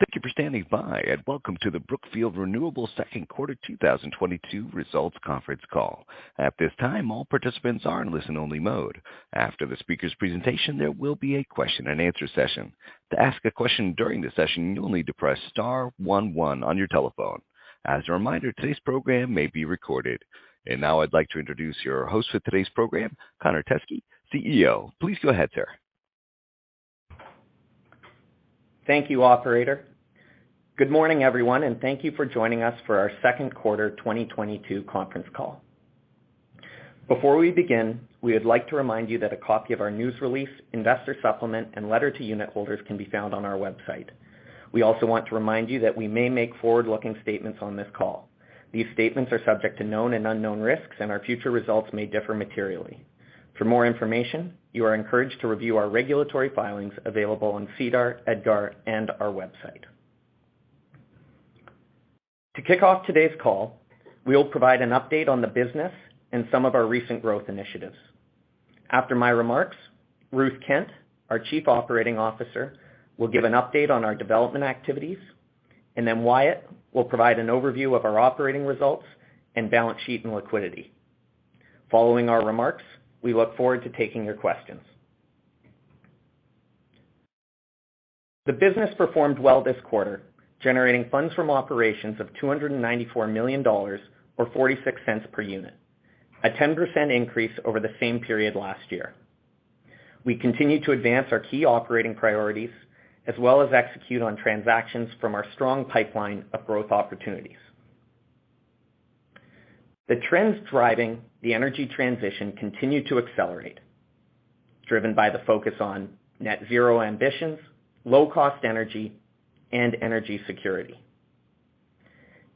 Thank you for standing by, and welcome to the Brookfield Renewable Second Quarter 2022 Results Conference Call. At this time, all participants are in listen-only mode. After the speaker's presentation, there will be a question-and-answer session. To ask a question during the session, you'll need to press star one one on your telephone. As a reminder, today's program may be recorded. Now I'd like to introduce your host for today's program, Connor Teskey, CEO. Please go ahead, sir. Thank you, operator. Good morning, everyone, and thank you for joining us for our second quarter 2022 conference call. Before we begin, we would like to remind you that a copy of our news release, investor supplement, and letter to unit holders can be found on our website. We also want to remind you that we may make forward-looking statements on this call. These statements are subject to known and unknown risks, and our future results may differ materially. For more information, you are encouraged to review our regulatory filings available on SEDAR, EDGAR, and our website. To kick off today's call, we will provide an update on the business and some of our recent growth initiatives. After my remarks, Ruth Kent, our Chief Operating Officer, will give an update on our development activities, and then Wyatt will provide an overview of our operating results and balance sheet and liquidity. Following our remarks, we look forward to taking your questions. The business performed well this quarter, generating funds from operations of $294 million or $0.46 per unit, a 10% increase over the same period last year. We continue to advance our key operating priorities as well as execute on transactions from our strong pipeline of growth opportunities. The trends driving the energy transition continue to accelerate, driven by the focus on net-zero ambitions, low-cost energy, and energy security.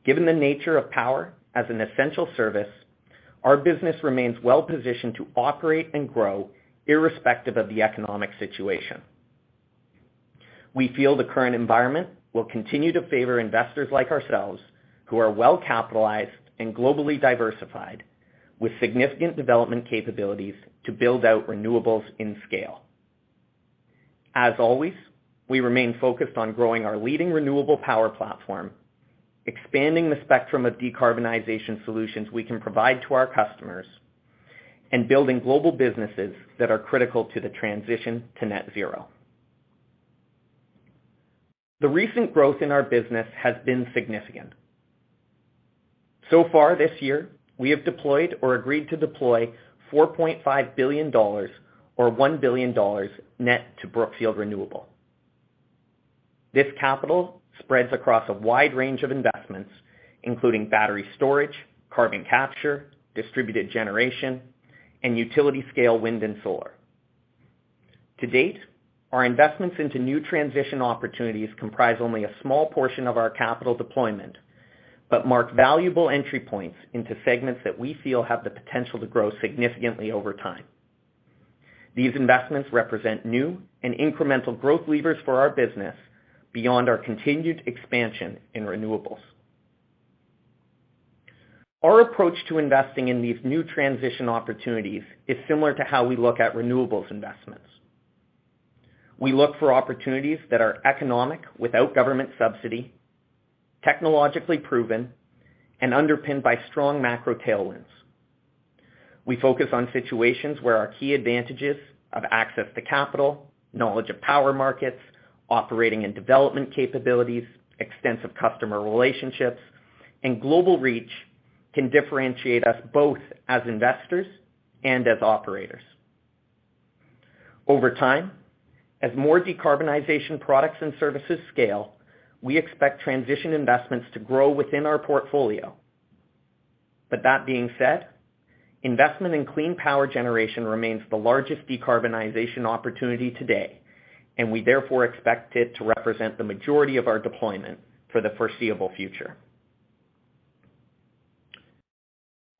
Given the nature of power as an essential service, our business remains well-positioned to operate and grow irrespective of the economic situation. We feel the current environment will continue to favor investors like ourselves who are well-capitalized and globally diversified with significant development capabilities to build out renewables in scale. As always, we remain focused on growing our leading renewable power platform, expanding the spectrum of decarbonization solutions we can provide to our customers, and building global businesses that are critical to the transition to net zero. The recent growth in our business has been significant. So far this year, we have deployed or agreed to deploy $4.5 billion or $1 billion net to Brookfield Renewable. This capital spreads across a wide range of investments, including battery storage, carbon capture, distributed generation, and utility-scale wind and solar. To date, our investments into new transition opportunities comprise only a small portion of our capital deployment, but mark valuable entry points into segments that we feel have the potential to grow significantly over time. These investments represent new and incremental growth levers for our business beyond our continued expansion in renewables. Our approach to investing in these new transition opportunities is similar to how we look at renewables investments. We look for opportunities that are economic without government subsidy, technologically proven, and underpinned by strong macro tailwinds. We focus on situations where our key advantages of access to capital, knowledge of power markets, operating and development capabilities, extensive customer relationships, and global reach can differentiate us both as investors and as operators. Over time, as more decarbonization products and services scale, we expect transition investments to grow within our portfolio. That being said, investment in clean power generation remains the largest decarbonization opportunity today, and we therefore expect it to represent the majority of our deployment for the foreseeable future.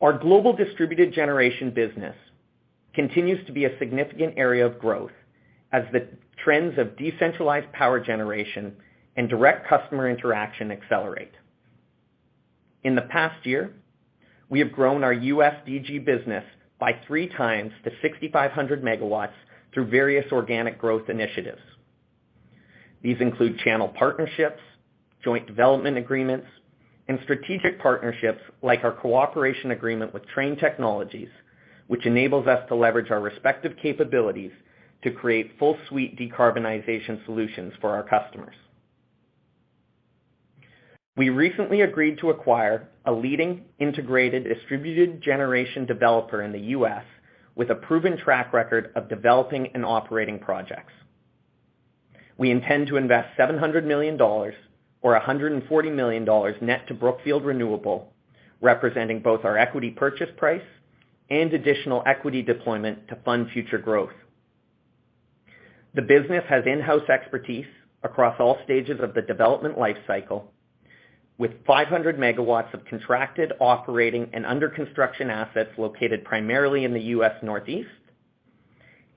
Our global distributed generation business continues to be a significant area of growth as the trends of decentralized power generation and direct customer interaction accelerate. In the past year, we have grown our U.S. DG business by three times to 6,500 MW through various organic growth initiatives. These include channel partnerships, joint development agreements, and strategic partnerships like our cooperation agreement with Trane Technologies, which enables us to leverage our respective capabilities to create full suite decarbonization solutions for our customers. We recently agreed to acquire a leading integrated distributed generation developer in the U.S. with a proven track record of developing and operating projects. We intend to invest $700 million or $140 million net to Brookfield Renewable, representing both our equity purchase price and additional equity deployment to fund future growth. The business has in-house expertise across all stages of the development life cycle, with 500 MW of contracted, operating, and under-construction assets located primarily in the U.S. Northeast,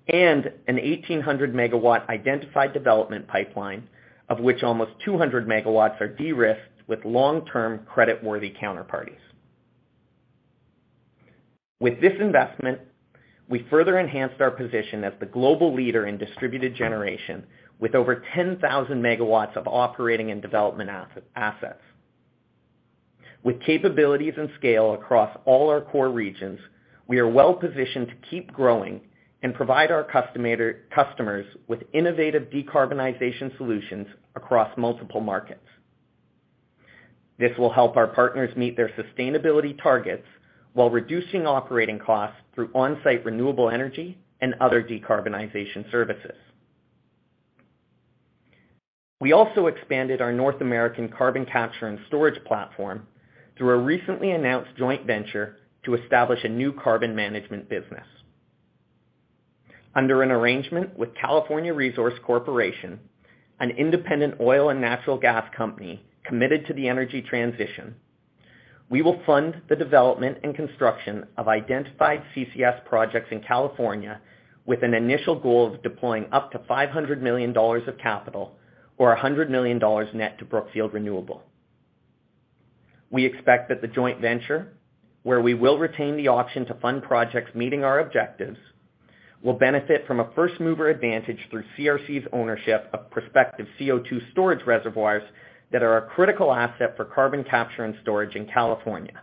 and a 1,800 MW identified development pipeline, of which almost 200 MW are de-risked with long-term creditworthy counterparties. With this investment, we further enhanced our position as the global leader in distributed generation with over 10,000 MW of operating and development assets. With capabilities and scale across all our core regions, we are well-positioned to keep growing and provide our customers with innovative decarbonization solutions across multiple markets. This will help our partners meet their sustainability targets while reducing operating costs through on-site renewable energy and other decarbonization services. We also expanded our North American carbon capture and storage platform through a recently announced joint venture to establish a new carbon management business. Under an arrangement with California Resources Corporation, an independent oil and natural gas company committed to the energy transition, we will fund the development and construction of identified CCS projects in California with an initial goal of deploying up to $500 million of capital or $100 million net to Brookfield Renewable. We expect that the joint venture, where we will retain the option to fund projects meeting our objectives, will benefit from a first-mover advantage through CRC's ownership of prospective CO2 storage reservoirs that are a critical asset for carbon capture and storage in California,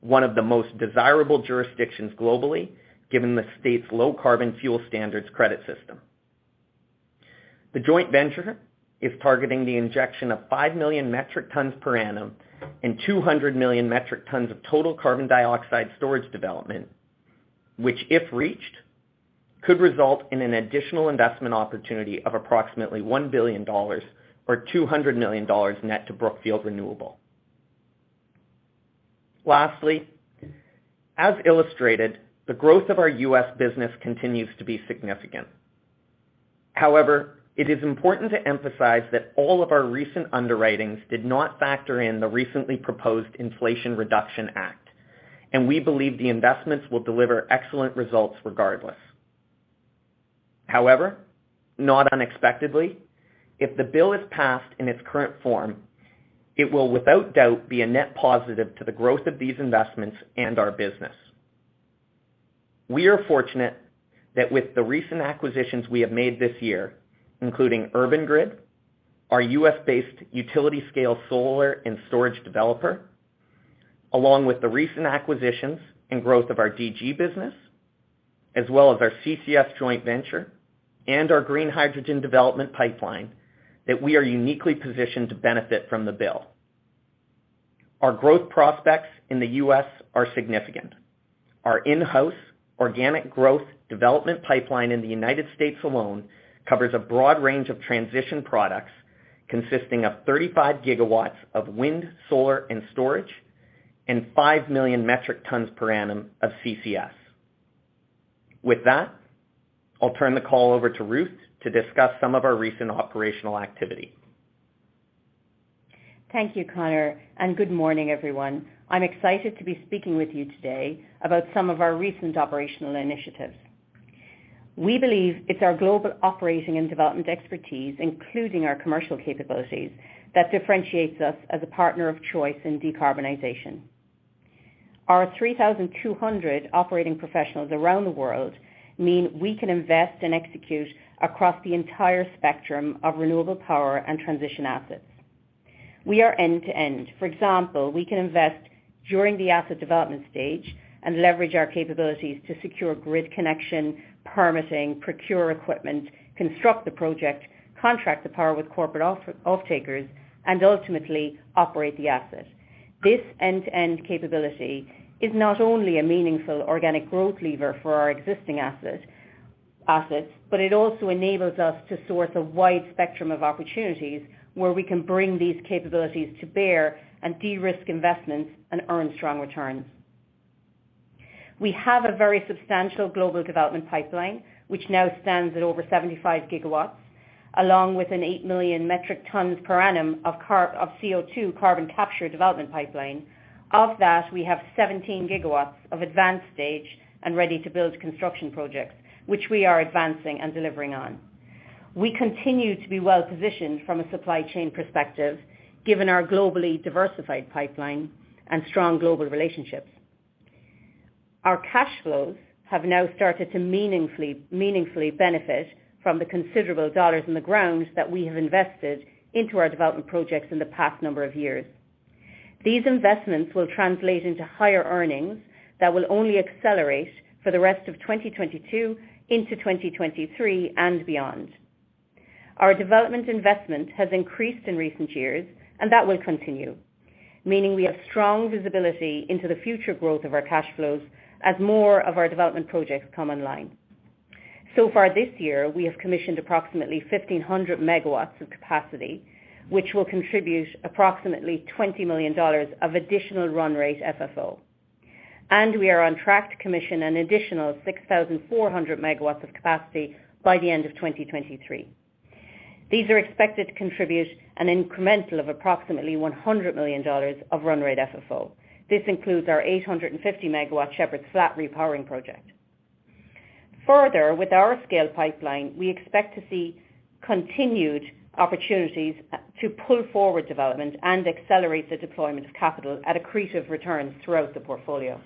one of the most desirable jurisdictions globally, given the state's Low-Carbon Fuel Standard credit system. The joint venture is targeting the injection of 5 million metric tons per annum and 200 million metric tons of total carbon dioxide storage development, which, if reached, could result in an additional investment opportunity of approximately $1 billion or $200 million net to Brookfield Renewable. Lastly, as illustrated, the growth of our U.S. business continues to be significant. However, it is important to emphasize that all of our recent underwritings did not factor in the recently proposed Inflation Reduction Act, and we believe the investments will deliver excellent results regardless. However, not unexpectedly, if the bill is passed in its current form, it will, without doubt, be a net positive to the growth of these investments and our business. We are fortunate that with the recent acquisitions we have made this year, including Urban Grid, our U.S.-based utility-scale solar and storage developer, along with the recent acquisitions and growth of our DG business, as well as our CCS joint venture and our green hydrogen development pipeline, that we are uniquely positioned to benefit from the bill. Our growth prospects in the U.S. are significant. Our in-house organic growth development pipeline in the United States alone covers a broad range of transition products consisting of 35 GW of wind, solar, and storage and 5 million metric tons per annum of CCS. With that, I'll turn the call over to Ruth to discuss some of our recent operational activity. Thank you, Connor, and good morning, everyone. I'm excited to be speaking with you today about some of our recent operational initiatives. We believe it's our global operating and development expertise, including our commercial capabilities, that differentiates us as a partner of choice in decarbonization. Our 3,200 operating professionals around the world mean we can invest and execute across the entire spectrum of renewable power and transition assets. We are end-to-end. For example, we can invest during the asset development stage and leverage our capabilities to secure grid connection, permitting, procure equipment, construct the project, contract the power with corporate off-takers, and ultimately operate the asset. This end-to-end capability is not only a meaningful organic growth lever for our existing assets, but it also enables us to source a wide spectrum of opportunities where we can bring these capabilities to bear and de-risk investments and earn strong returns. We have a very substantial global development pipeline, which now stands at over 75 GW, along with an 8 million metric tons per annum of CO2 carbon capture development pipeline. Of that, we have 17 GW of advanced stage and ready-to-build construction projects, which we are advancing and delivering on. We continue to be well-positioned from a supply chain perspective, given our globally diversified pipeline and strong global relationships. Our cash flows have now started to meaningfully benefit from the considerable dollars in the ground that we have invested into our development projects in the past number of years. These investments will translate into higher earnings that will only accelerate for the rest of 2022 into 2023 and beyond. Our development investment has increased in recent years, and that will continue, meaning we have strong visibility into the future growth of our cash flows as more of our development projects come online. So far this year, we have commissioned approximately 1,500 MG of capacity, which will contribute approximately $20 million of additional run rate FFO. We are on track to commission an additional 6,400 MW of capacity by the end of 2023. These are expected to contribute an incremental of approximately $100 million of run rate FFO. This includes our 850 MW Shepherds Flat repowering project. Further, with our scale pipeline, we expect to see continued opportunities to pull forward development and accelerate the deployment of capital at accretive returns throughout the portfolio.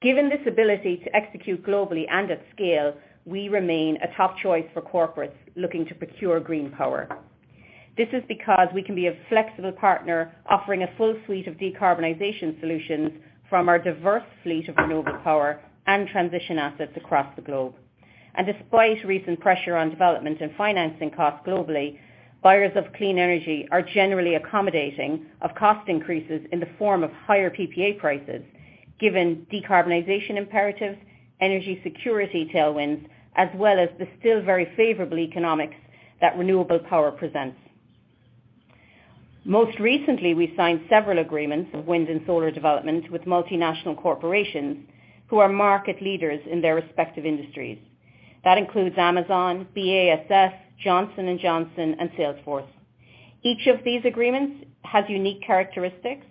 Given this ability to execute globally and at scale, we remain a top choice for corporates looking to procure green power. This is because we can be a flexible partner offering a full suite of decarbonization solutions from our diverse fleet of renewable power and transition assets across the globe. Despite recent pressure on development and financing costs globally, buyers of clean energy are generally accommodating of cost increases in the form of higher PPA prices, given decarbonization imperatives, energy security tailwinds, as well as the still very favorable economics that renewable power presents. Most recently, we signed several agreements of wind and solar development with multinational corporations who are market leaders in their respective industries. That includes Amazon, BASF, Johnson & Johnson, and Salesforce. Each of these agreements has unique characteristics,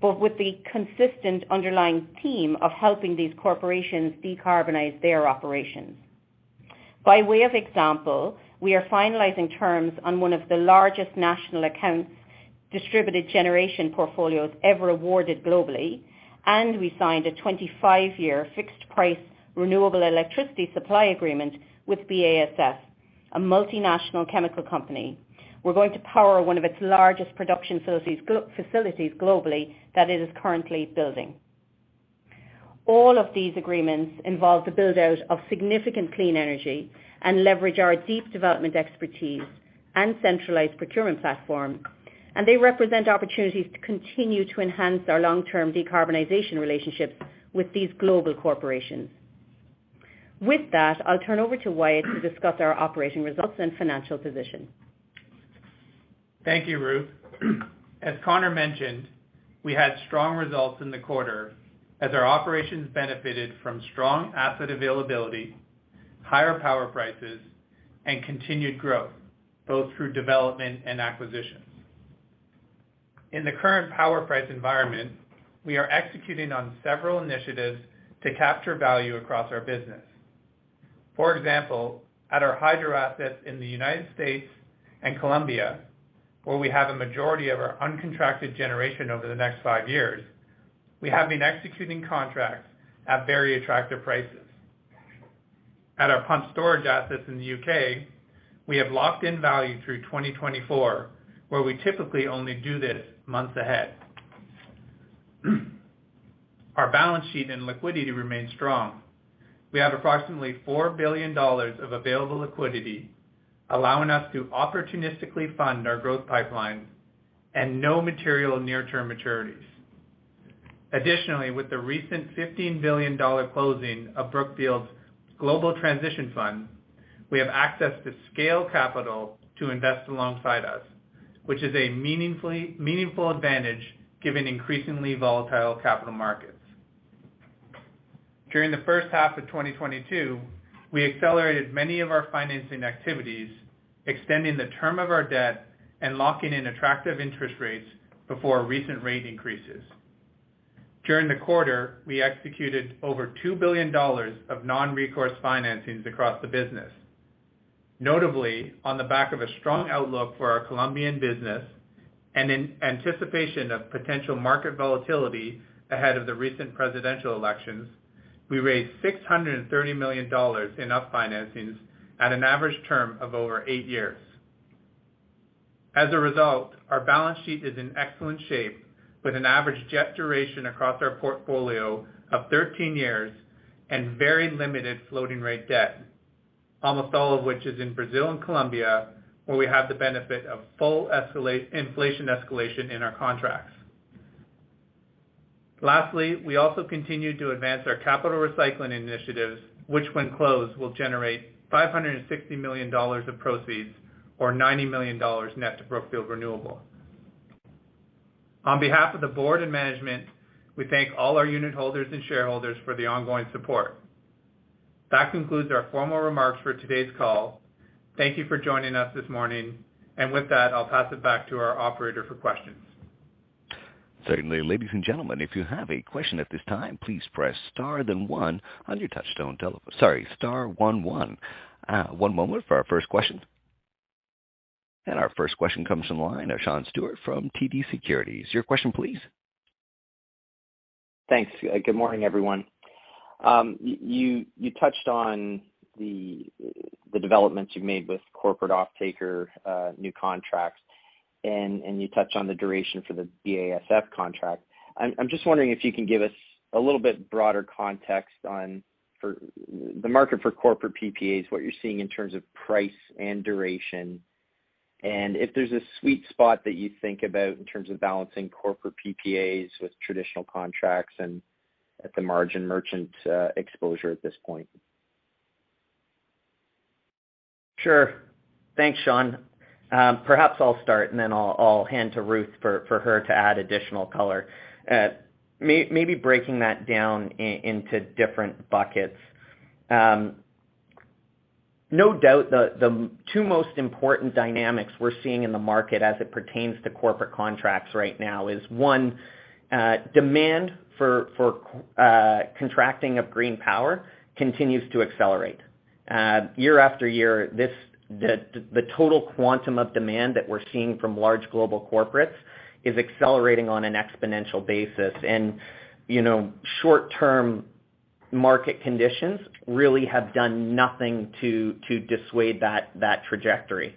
but with the consistent underlying theme of helping these corporations decarbonize their operations. By way of example, we are finalizing terms on one of the largest national accounts distributed generation portfolios ever awarded globally, and we signed a 25-year fixed price renewable electricity supply agreement with BASF, a multinational chemical company. We're going to power one of its largest production facilities globally that it is currently building. All of these agreements involve the build out of significant clean energy and leverage our deep development expertise and centralized procurement platform, and they represent opportunities to continue to enhance our long-term decarbonization relationships with these global corporations. With that, I'll turn over to Wyatt to discuss our operating results and financial position. Thank you, Ruth. As Connor mentioned, we had strong results in the quarter as our operations benefited from strong asset availability, higher power prices, and continued growth, both through development and acquisitions. In the current power price environment, we are executing on several initiatives to capture value across our business. For example, at our hydro assets in the United States and Colombia, where we have a majority of our uncontracted generation over the next five years, we have been executing contracts at very attractive prices. At our pumped storage assets in the U.K., we have locked in value through 2024, where we typically only do this months ahead. Our balance sheet and liquidity remain strong. We have approximately $4 billion of available liquidity, allowing us to opportunistically fund our growth pipelines and no material near-term maturities. With the recent $15 billion closing of Brookfield Global Transition Fund, we have access to scale capital to invest alongside us, which is a meaningful advantage given increasingly volatile capital markets. During the first half of 2022, we accelerated many of our financing activities, extending the term of our debt and locking in attractive interest rates before recent rate increases. During the quarter, we executed over $2 billion of non-recourse financings across the business. Notably, on the back of a strong outlook for our Colombian business and in anticipation of potential market volatility ahead of the recent presidential elections, we raised $630 million in refinancings at an average term of over eight years. As a result, our balance sheet is in excellent shape with an average debt duration across our portfolio of 13 years and very limited floating rate debt, almost all of which is in Brazil and Colombia, where we have the benefit of full inflation escalation in our contracts. Lastly, we also continue to advance our capital recycling initiatives, which when closed will generate $560 million of proceeds or $90 million net to Brookfield Renewable. On behalf of the board and management, we thank all our unit holders and shareholders for the ongoing support. That concludes our formal remarks for today's call. Thank you for joining us this morning. With that, I'll pass it back to our operator for questions. Certainly. Ladies and gentlemen, if you have a question at this time, please press star then one on your touchtone telephone. Sorry, star one one. One moment for our first question. Our first question comes from the line of Sean Steuart from TD Securities. Your question, please. Thanks. Good morning, everyone. You touched on the developments you've made with corporate offtaker, new contracts, and you touched on the duration for the BASF contract. I'm just wondering if you can give us a little bit broader context on the market for corporate PPAs, what you're seeing in terms of price and duration? If there's a sweet spot that you think about in terms of balancing corporate PPAs with traditional contracts and at the margin merchant exposure at this point. Sure. Thanks, Sean. Perhaps I'll start and then I'll hand to Ruth for her to add additional color. Maybe breaking that down into different buckets. No doubt the two most important dynamics we're seeing in the market as it pertains to corporate contracts right now is one, demand for contracting of green power continues to accelerate. Year after year, the total quantum of demand that we're seeing from large global corporates is accelerating on an exponential basis. You know, short-term market conditions really have done nothing to dissuade that trajectory.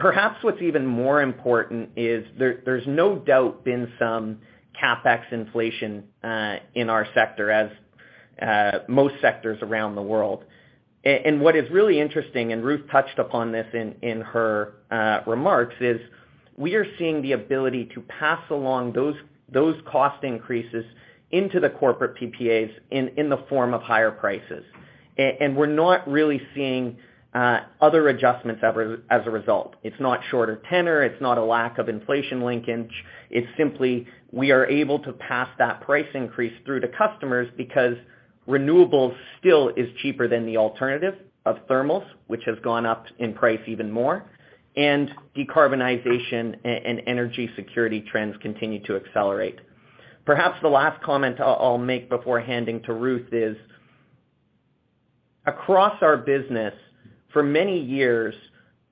Perhaps what's even more important is there's no doubt been some CapEx inflation in our sector as most sectors around the world. What is really interesting, and Ruth touched upon this in her remarks, is we are seeing the ability to pass along those cost increases into the corporate PPAs in the form of higher prices. We're not really seeing other adjustments as a result. It's not shorter tenor, it's not a lack of inflation linkage, it's simply we are able to pass that price increase through to customers because renewables still is cheaper than the alternative of thermals, which has gone up in price even more, and decarbonization and energy security trends continue to accelerate. Perhaps the last comment I'll make before handing to Ruth is across our business, for many years,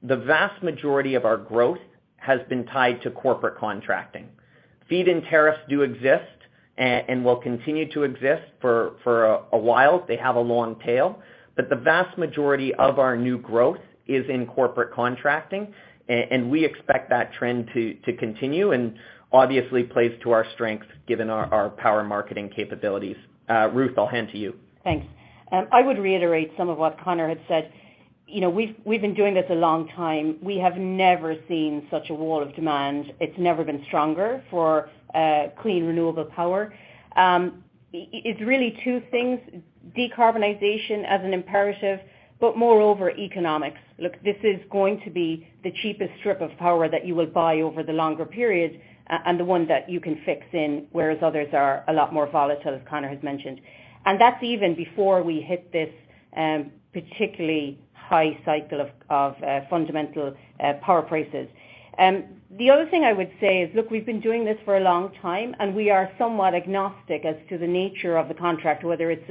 the vast majority of our growth has been tied to corporate contracting. Feed-in tariffs do exist and will continue to exist for a while. They have a long tail. The vast majority of our new growth is in corporate contracting. We expect that trend to continue, and obviously plays to our strengths given our power marketing capabilities. Ruth, I'll hand to you. I would reiterate some of what Connor had said. You know, we've been doing this a long time. We have never seen such a wall of demand. It's never been stronger for clean, renewable power. It's really two things, decarbonization as an imperative, but moreover, economics. Look, this is going to be the cheapest strip of power that you will buy over the longer period, and the one that you can fix in, whereas others are a lot more volatile, as Connor has mentioned. That's even before we hit this particularly high cycle of fundamental power prices. The other thing I would say is, look, we've been doing this for a long time, and we are somewhat agnostic as to the nature of the contract, whether it's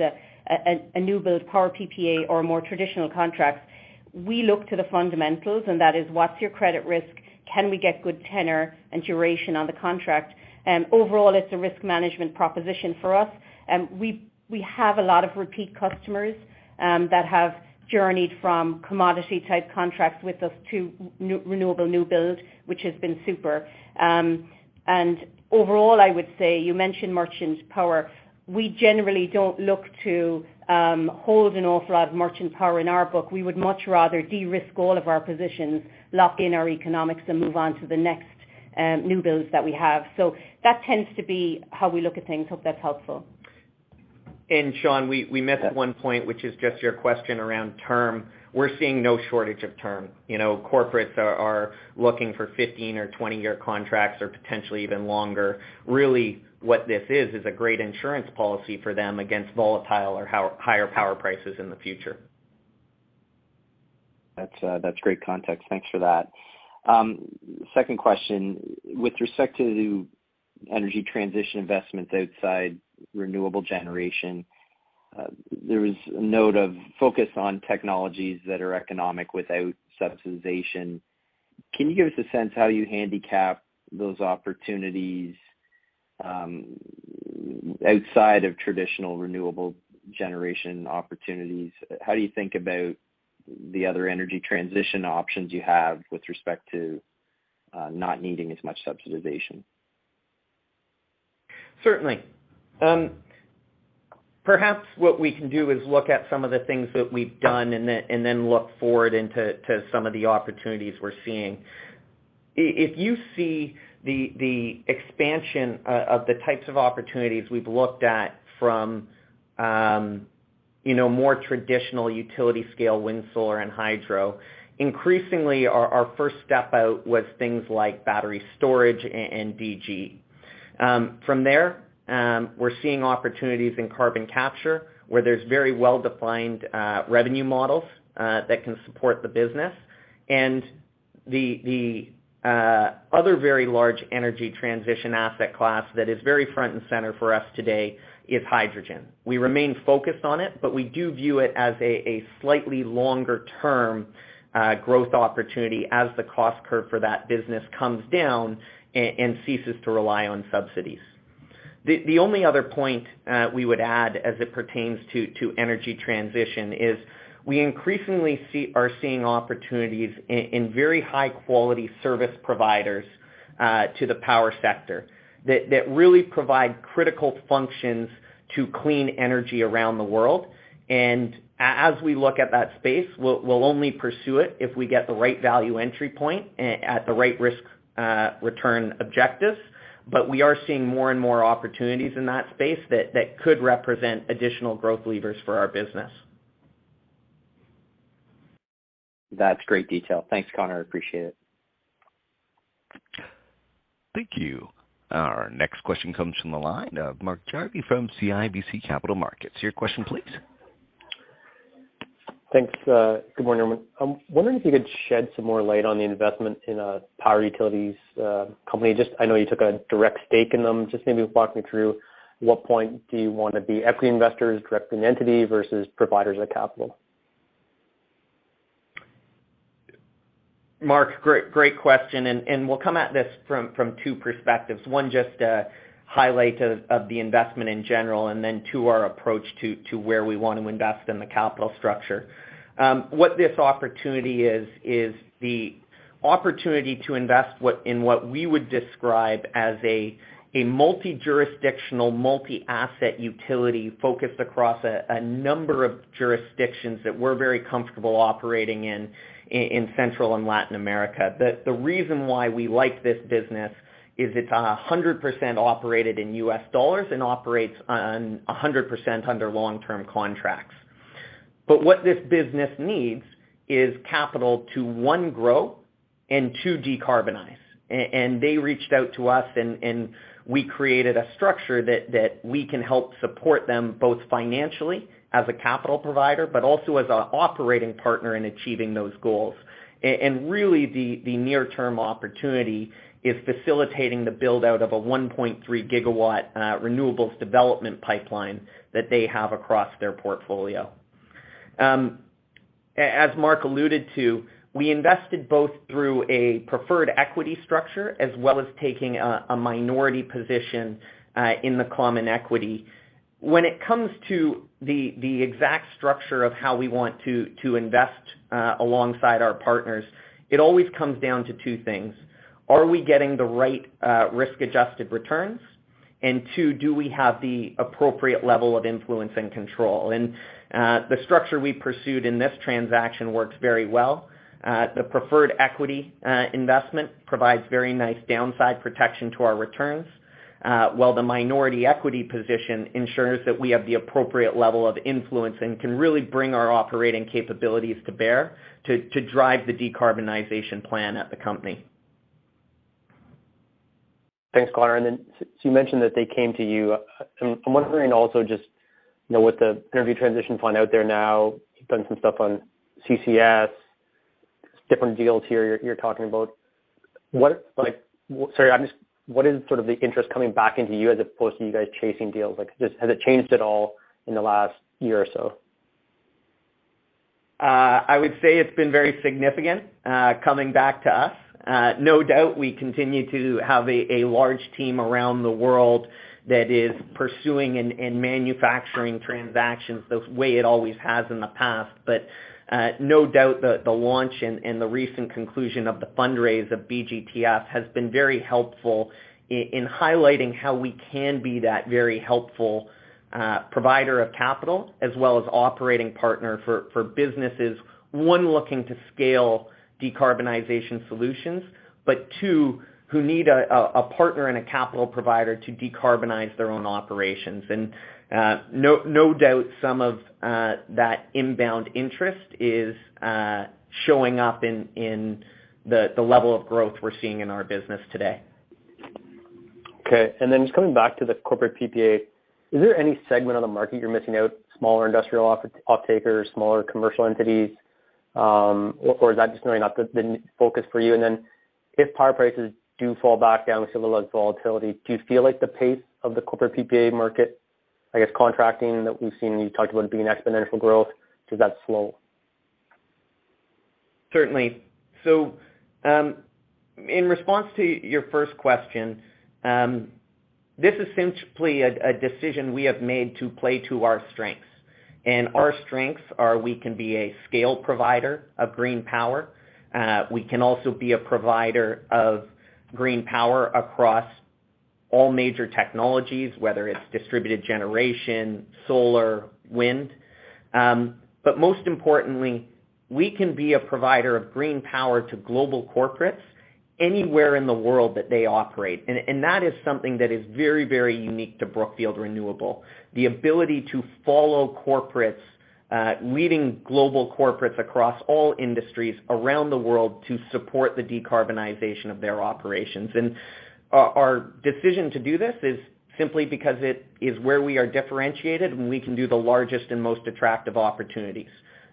a new-build power PPA or a more traditional contract. We look to the fundamentals, and that is what's your credit risk? Can we get good tenor and duration on the contract? Overall, it's a risk management proposition for us. We have a lot of repeat customers that have journeyed from commodity-type contracts with us to renewable new builds, which has been super. Overall, I would say you mentioned merchant power. We generally don't look to hold an awful lot of merchant power in our book. We would much rather de-risk all of our positions, lock in our economics, and move on to the next new builds that we have. That tends to be how we look at things. Hope that's helpful. Sean, we missed one point, which is just your question around term. We're seeing no shortage of term. You know, corporates are looking for 15 or 20-year contracts or potentially even longer. Really, what this is a great insurance policy for them against volatile or higher power prices in the future. That's, that's great context. Thanks for that. Second question. With respect to the energy transition investments outside renewable generation, there was a note of focus on technologies that are economic without subsidization. Can you give us a sense how you handicap those opportunities, outside of traditional renewable generation opportunities? How do you think about the other energy transition options you have with respect to, not needing as much subsidization? Certainly. Perhaps what we can do is look at some of the things that we've done and then look forward into some of the opportunities we're seeing. If you see the expansion of the types of opportunities we've looked at from, you know, more traditional utility scale wind, solar, and hydro, increasingly our first step out was things like battery storage and DG. From there, we're seeing opportunities in carbon capture, where there's very well-defined revenue models that can support the business. The other very large energy transition asset class that is very front and center for us today is hydrogen. We remain focused on it, but we do view it as a slightly longer-term growth opportunity as the cost curve for that business comes down and ceases to rely on subsidies. The only other point we would add as it pertains to energy transition is we increasingly are seeing opportunities in very high-quality service providers to the power sector that really provide critical functions to clean energy around the world. As we look at that space, we'll only pursue it if we get the right value entry point at the right risk return objectives. We are seeing more and more opportunities in that space that could represent additional growth levers for our business. That's great detail. Thanks, Connor. Appreciate it. Thank you. Our next question comes from the line of Mark Jarvi from CIBC Capital Markets. Your question please. Thanks. Good morning, everyone. I'm wondering if you could shed some more light on the investment in a power and utilities company. Just, I know you took a direct stake in them. Just maybe walk me through what point do you want to be equity investors, direct in entity versus providers of capital? Mark, great question, and we'll come at this from two perspectives. One, just a highlight of the investment in general, and then two, our approach to where we want to invest in the capital structure. What this opportunity is the opportunity to invest in what we would describe as a multi-jurisdictional, multi-asset utility focused across a number of jurisdictions that we're very comfortable operating in Central and Latin America. The reason why we like this business is it's 100% operated in U.S. dollars and operates 100% under long-term contracts. What this business needs is capital to one, grow and two, decarbonize. They reached out to us and we created a structure that we can help support them both financially as a capital provider, but also as an operating partner in achieving those goals. Really the near-term opportunity is facilitating the build-out of a 1.3 GW renewables development pipeline that they have across their portfolio. As Mark alluded to, we invested both through a preferred equity structure as well as taking a minority position in the common equity. When it comes to the exact structure of how we want to invest alongside our partners, it always comes down to two things. Are we getting the right risk-adjusted returns? And two, do we have the appropriate level of influence and control? The structure we pursued in this transaction works very well. The preferred equity investment provides very nice downside protection to our returns, while the minority equity position ensures that we have the appropriate level of influence and can really bring our operating capabilities to bear to drive the decarbonization plan at the company. Thanks, Connor. So you mentioned that they came to you. I'm wondering also just, you know, with the Energy Transition Fund out there now, you've done some stuff on CCS, different deals here you're talking about. What is sort of the interest coming back into you as opposed to you guys chasing deals? Like, just has it changed at all in the last year or so? I would say it's been very significant, coming back to us. No doubt we continue to have a large team around the world that is pursuing and manufacturing transactions the way it always has in the past. No doubt the launch and the recent conclusion of the fundraise of BGTF has been very helpful in highlighting how we can be that very helpful provider of capital as well as operating partner for businesses, one, looking to scale decarbonization solutions, but two, who need a partner and a capital provider to decarbonize their own operations. No doubt some of that inbound interest is showing up in the level of growth we're seeing in our business today. Okay. Just coming back to the corporate PPA, is there any segment of the market you're missing out, smaller industrial off-takers, smaller commercial entities? Or is that just really not the focus for you? If power prices do fall back down, we see a little less volatility, do you feel like the pace of the corporate PPA market? I guess, contracting that we've seen, and you talked about it being an exponential growth, does that slow? Certainly. In response to your first question, this is simply a decision we have made to play to our strengths. Our strengths are we can be a scale provider of green power. We can also be a provider of green power across all major technologies, whether it's distributed generation, solar, wind. Most importantly, we can be a provider of green power to global corporates anywhere in the world that they operate. That is something that is very, very unique to Brookfield Renewable, the ability to follow corporates, leading global corporates across all industries around the world to support the decarbonization of their operations. Our decision to do this is simply because it is where we are differentiated, and we can do the largest and most attractive opportunities.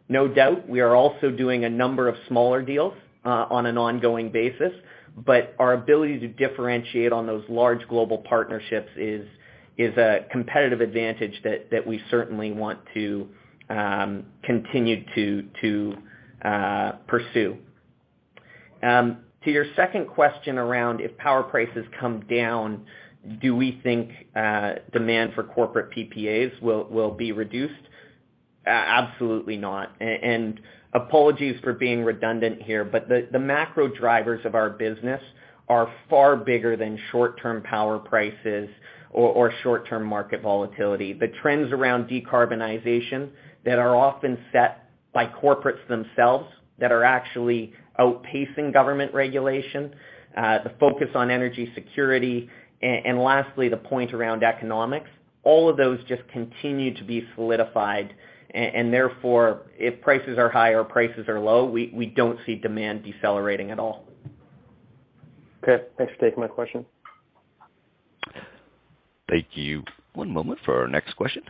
No doubt, we are also doing a number of smaller deals on an ongoing basis, but our ability to differentiate on those large global partnerships is a competitive advantage that we certainly want to continue to pursue. To your second question around if power prices come down, do we think demand for corporate PPAs will be reduced? Absolutely not. Apologies for being redundant here, but the macro drivers of our business are far bigger than short-term power prices or short-term market volatility. The trends around decarbonization that are often set by corporates themselves that are actually outpacing government regulation, the focus on energy security, and lastly, the point around economics, all of those just continue to be solidified. Therefore, if prices are high or prices are low, we don't see demand decelerating at all. Okay. Thanks for taking my question. Thank you. One moment for our next question.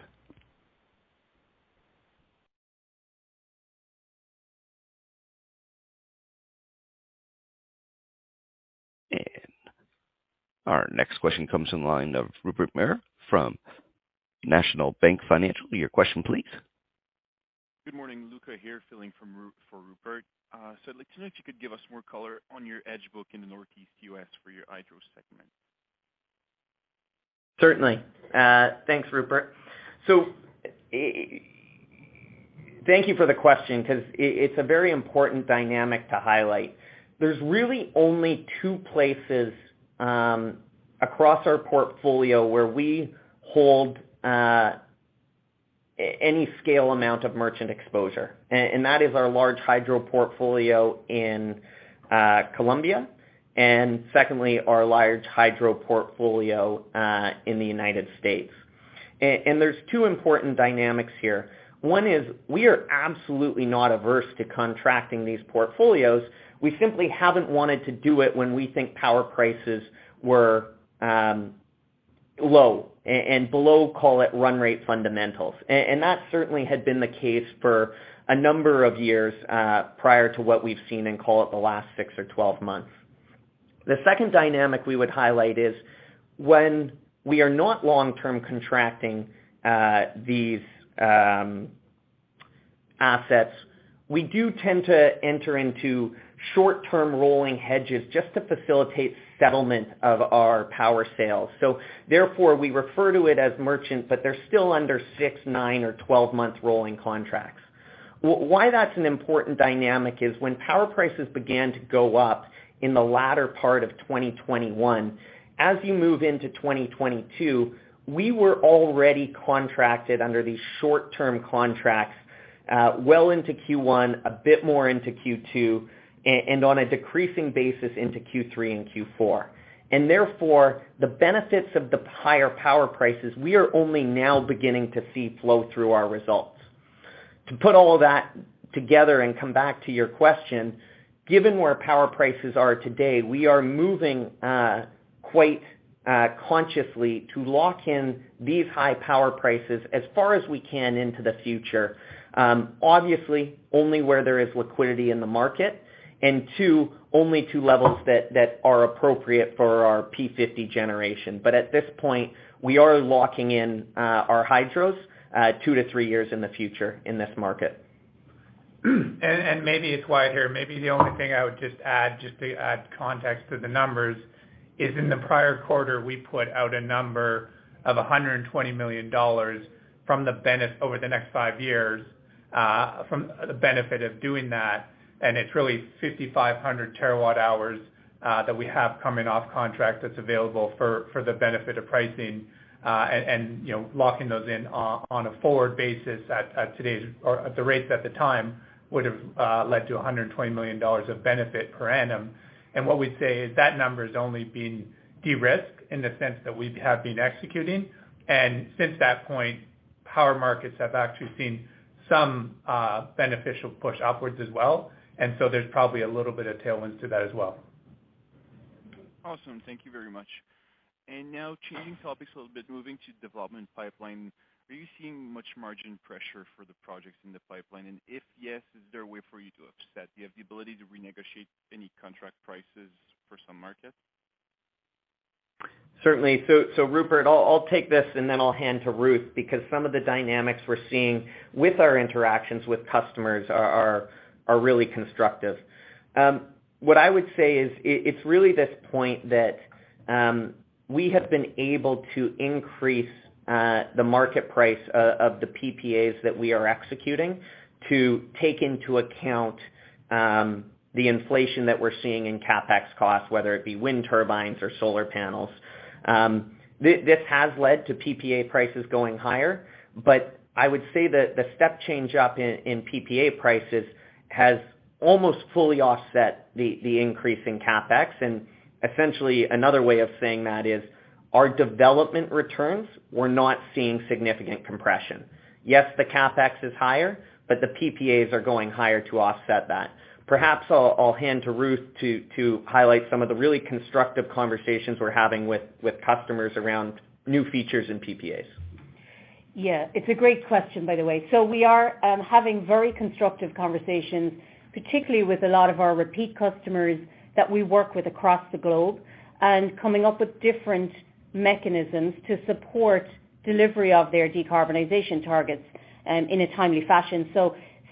Our next question comes in line of Rupert Merer from National Bank Financial. Your question, please. Good morning, Luca here filling in for Rupert. I'd like to know if you could give us more color on your hedge book in the Northeast U.S. For your hydro segment. Certainly. Thanks, Rupert. Thank you for the question, because it's a very important dynamic to highlight. There's really only two places across our portfolio where we hold any scale amount of merchant exposure, and that is our large hydro portfolio in Colombia, and secondly, our large hydro portfolio in the United States. There's two important dynamics here. One is we are absolutely not averse to contracting these portfolios. We simply haven't wanted to do it when we think power prices were low and below, call it run rate fundamentals. That certainly had been the case for a number of years prior to what we've seen in, call it, the last six or 12 months. The second dynamic we would highlight is when we are not long-term contracting these assets, we do tend to enter into short-term rolling hedges just to facilitate settlement of our power sales. Therefore we refer to it as merchant, but they're still under six, nine, or 12-month rolling contracts. Why that's an important dynamic is when power prices began to go up in the latter part of 2021, as you move into 2022, we were already contracted under these short-term contracts well into Q1, a bit more into Q2, and on a decreasing basis into Q3 and Q4. Therefore, the benefits of the higher power prices, we are only now beginning to see flow through our results. To put all of that together and come back to your question, given where power prices are today, we are moving quite consciously to lock in these high power prices as far as we can into the future. Obviously, only where there is liquidity in the market, and, too, only at levels that are appropriate for our P50 generation. At this point, we are locking in our hydros two or three years in the future in this market. Maybe it's wide here. Maybe the only thing I would just add, just to add context to the numbers, is in the prior quarter, we put out a number of $120 million from the benefit over the next five years, from the benefit of doing that. It's really 5,500 TWh that we have coming off contract that's available for the benefit of pricing, and you know, locking those in on a forward basis at today's or at the rates at the time would have led to $120 million of benefit per annum. What we'd say is that number is only being de-risked in the sense that we have been executing. Since that point, power markets have actually seen some beneficial push upwards as well. There's probably a little bit of tailwinds to that as well. Awesome. Thank you very much. Now changing topics a little bit, moving to development pipeline. Are you seeing much margin pressure for the projects in the pipeline? If yes, is there a way for you to offset? Do you have the ability to renegotiate any contract prices for some markets? Certainly. Rupert, I'll take this and then I'll hand to Ruth, because some of the dynamics we're seeing with our interactions with customers are really constructive. What I would say is it's really this point that we have been able to increase the market price of the PPAs that we are executing to take into account the inflation that we're seeing in CapEx costs, whether it be wind turbines or solar panels. This has led to PPA prices going higher, but I would say that the step change up in PPA prices has almost fully offset the increase in CapEx. Essentially, another way of saying that is our development returns were not seeing significant compression. Yes, the CapEx is higher, but the PPAs are going higher to offset that. Perhaps I'll hand to Ruth to highlight some of the really constructive conversations we're having with customers around new features in PPAs. Yeah. It's a great question, by the way. We are having very constructive conversations, particularly with a lot of our repeat customers that we work with across the globe, and coming up with different mechanisms to support delivery of their decarbonization targets in a timely fashion.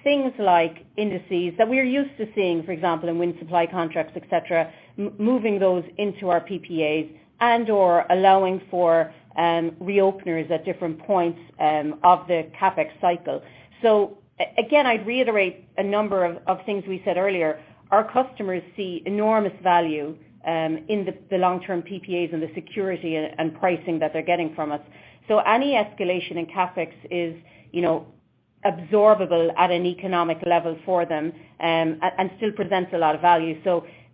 Things like indices that we are used to seeing, for example, in wind supply contracts, et cetera, moving those into our PPAs and/or allowing for reopeners at different points of the CapEx cycle. Again, I'd reiterate a number of things we said earlier. Our customers see enormous value in the long-term PPAs and the security and pricing that they're getting from us. Any escalation in CapEx is, you know, absorbable at an economic level for them and still presents a lot of value.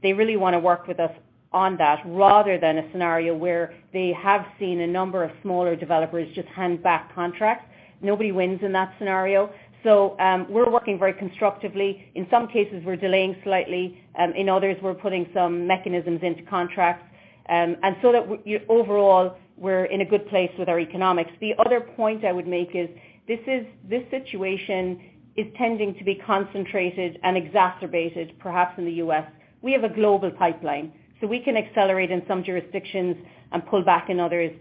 They really wanna work with us on that rather than a scenario where they have seen a number of smaller developers just hand back contracts. Nobody wins in that scenario. We're working very constructively. In some cases, we're delaying slightly. In others, we're putting some mechanisms into contracts. Overall, we're in a good place with our economics. The other point I would make is this situation is tending to be concentrated and exacerbated, perhaps in the U.S. We have a global pipeline, so we can accelerate in some jurisdictions and pull back in others,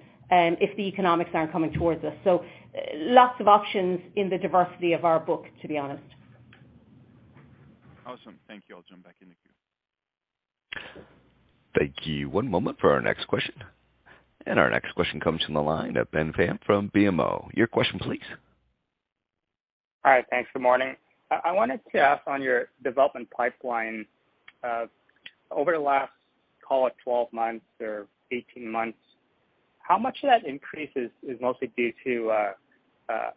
if the economics aren't coming towards us. Lots of options in the diversity of our book, to be honest. Awesome. Thank you. I'll jump back in the queue. Thank you. One moment for our next question. Our next question comes from the line of Ben Pham from BMO. Your question please. All right. Thanks. Good morning. I wanted to ask on your development pipeline, over the last, call it, 12 months or 18 months, how much of that increase is mostly due to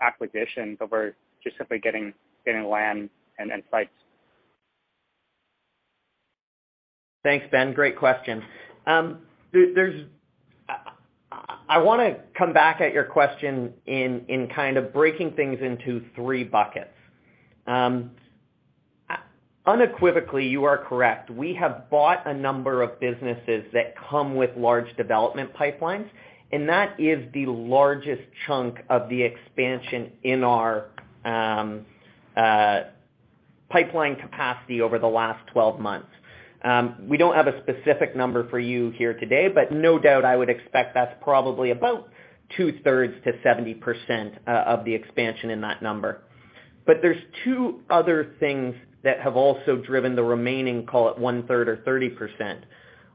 acquisitions over just simply getting land and sites? Thanks, Ben. Great question. I wanna come back at your question in kind of breaking things into three buckets. Unequivocally, you are correct. We have bought a number of businesses that come with large development pipelines, and that is the largest chunk of the expansion in our pipeline capacity over the last 12 months. We don't have a specific number for you here today, but no doubt I would expect that's probably about two-thirds to 70% of the expansion in that number. There's two other things that have also driven the remaining, call it one-third or 30%.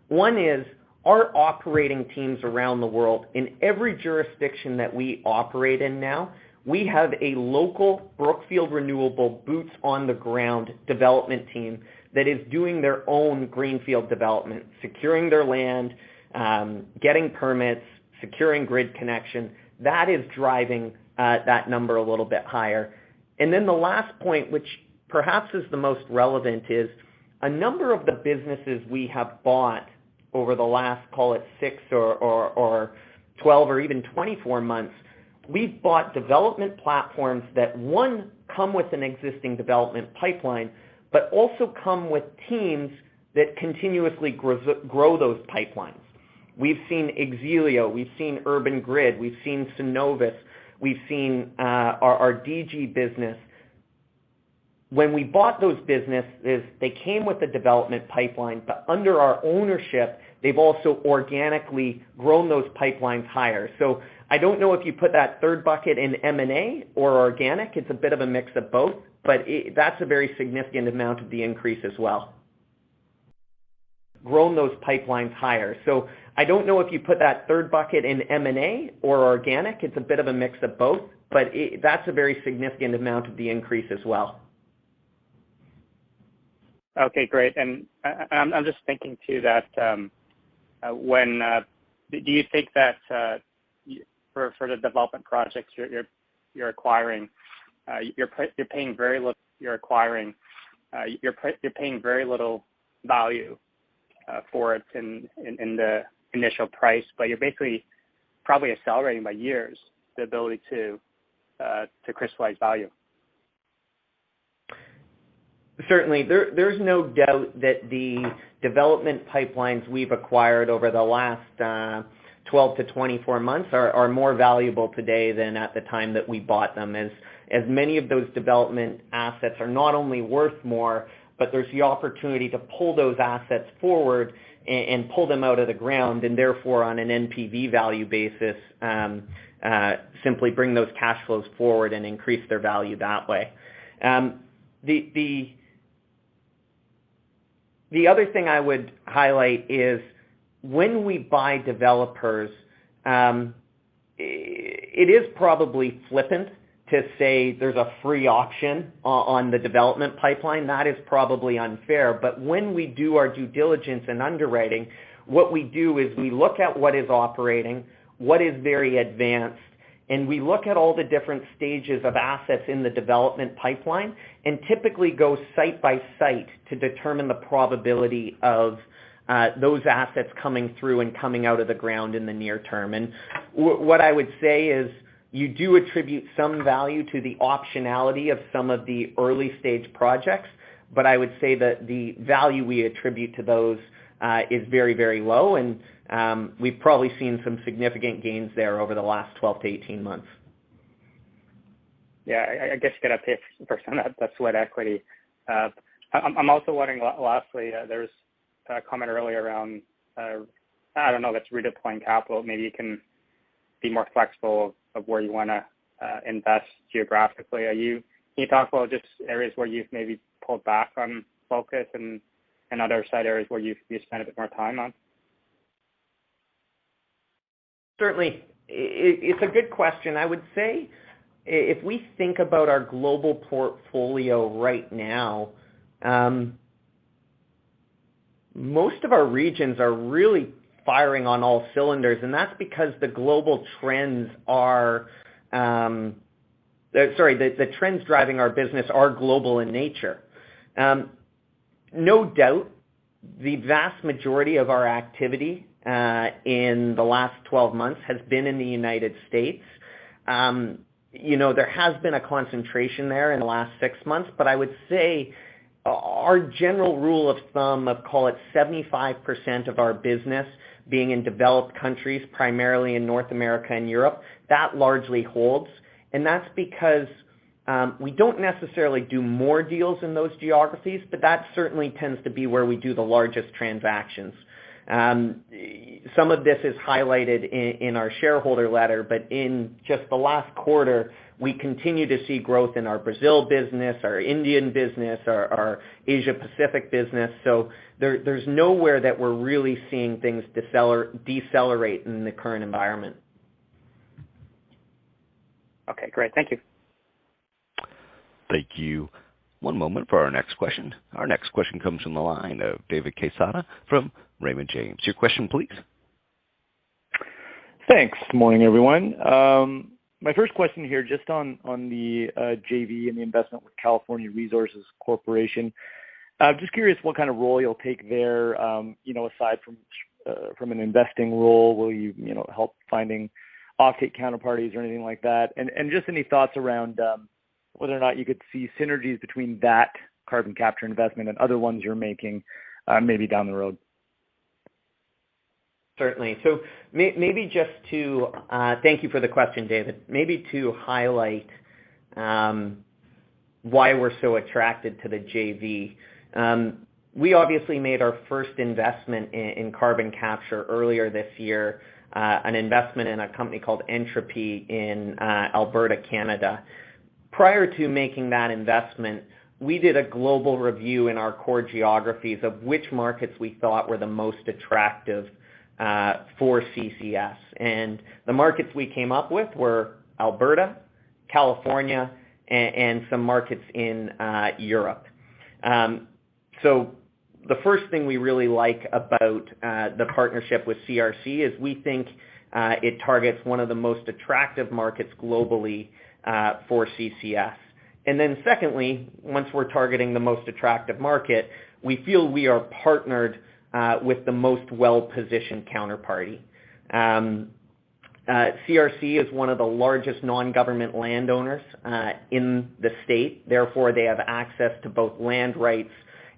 One is our operating teams around the world. In every jurisdiction that we operate in now, we have a local Brookfield Renewable boots on the ground development team that is doing their own greenfield development, securing their land, getting permits, securing grid connection. That is driving that number a little bit higher. The last point, which perhaps is the most relevant, is a number of the businesses we have bought over the last, call it six or 12 or even 24 months, we've bought development platforms that, one, come with an existing development pipeline, but also come with teams that continuously grow those pipelines. We've seen X-Elio, we've seen Urban Grid, we've seen Synovus, we've seen our DG business. When we bought those businesses, they came with a development pipeline, but under our ownership, they've also organically grown those pipelines higher. I don't know if you put that third bucket in M&A or organic. It's a bit of a mix of both, but it, that's a very significant amount of the increase as well. Grown those pipelines higher. Okay, great. I'm just thinking too that, when do you think that for the development projects you're acquiring, you're paying very little value for it in the initial price, but you're basically probably accelerating by years the ability to crystallize value. Certainly, there's no doubt that the development pipelines we've acquired over the last 12-24 months are more valuable today than at the time that we bought them. As many of those development assets are not only worth more, but there's the opportunity to pull those assets forward and pull them out of the ground, and therefore, on an NPV value basis, simply bring those cash flows forward and increase their value that way. The other thing I would highlight is when we buy developers, it is probably flippant to say there's a free option on the development pipeline. That is probably unfair. When we do our due diligence and underwriting, what we do is we look at what is operating, what is very advanced, and we look at all the different stages of assets in the development pipeline and typically go site by site to determine the probability of those assets coming through and coming out of the ground in the near term. What I would say is you do attribute some value to the optionality of some of the early-stage projects, but I would say that the value we attribute to those is very, very low. We've probably seen some significant gains there over the last 12-18 months. Yeah. I guess you gotta pay for some of the sweat equity. I'm also wondering lastly, there was a comment earlier around, I don't know, like redeploying capital. Maybe you can be more flexible on where you wanna invest geographically. Can you talk about just areas where you've maybe pulled back on focus and other side areas where you've spend a bit more time on? Certainly. It's a good question. I would say if we think about our global portfolio right now, most of our regions are really firing on all cylinders, and that's because the trends driving our business are global in nature. No doubt, the vast majority of our activity in the last 12 months has been in the United States. You know, there has been a concentration there in the last six months, but I would say our general rule of thumb of, call it 75% of our business being in developed countries, primarily in North America and Europe, that largely holds. That's because we don't necessarily do more deals in those geographies, but that certainly tends to be where we do the largest transactions. Some of this is highlighted in our shareholder letter, but in just the last quarter, we continue to see growth in our Brazil business, our Indian business, our Asia Pacific business. There's nowhere that we're really seeing things decelerate in the current environment. Okay, great. Thank you. Thank you. One moment for our next question. Our next question comes from the line of David Quezada from Raymond James. Your question, please. Thanks. Morning, everyone. My first question here, just on the JV and the investment with California Resources Corporation. I'm just curious what kind of role you'll take there, you know, aside from an investing role. Will you know, help finding offtake counterparties or anything like that? Just any thoughts around whether or not you could see synergies between that carbon capture investment and other ones you're making, maybe down the road. Certainly. Just to thank you for the question, David. Maybe to highlight why we're so attracted to the JV. We obviously made our first investment in carbon capture earlier this year, an investment in a company called Entropy in Alberta, Canada. Prior to making that investment, we did a global review in our core geographies of which markets we thought were the most attractive for CCS. The markets we came up with were Alberta, California, and some markets in Europe. The first thing we really like about the partnership with CRC is we think it targets one of the most attractive markets globally for CCS. Secondly, once we're targeting the most attractive market, we feel we are partnered with the most well-positioned counterparty. CRC is one of the largest non-government landowners in the state. Therefore, they have access to both land rights